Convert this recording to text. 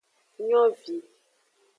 Nyovi.